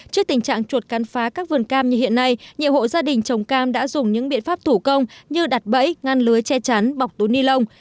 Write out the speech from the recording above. trước tình trạng chuột cắn phá các vườn cam như hiện nay nhiều hộ gia đình trồng cam đã dùng những biện pháp thủ công như đặt bẫy ngăn lưới che chắn bọc túi ni lông